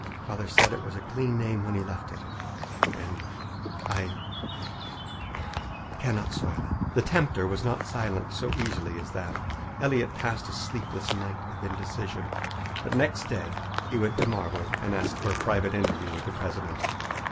Father said it was a clean name when he left it, and I cannot soil it." The tempter was not silenced so easily as that. Elliott passed a sleepless night of indecision. But next day he went to Marwood and asked for a private interview with the president.